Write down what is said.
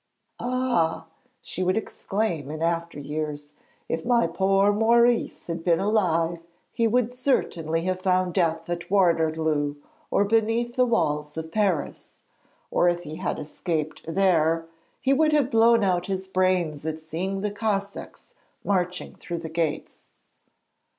'Ah!' she would exclaim in after years; 'if my poor Maurice had been alive he would certainly have found death at Waterloo or beneath the walls of Paris, or if he had escaped there, he would have blown out his brains at seeing the Cossacks marching through the gates.'